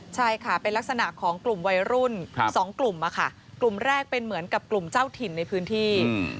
ใช่ค่ะเป็นลักษณะของกลุ่มวัยรุ่น๒กลุ่มกลุ่มแรกเป็นเหมือนกับกลุ่มเจ้าถิ่นในพื้นที่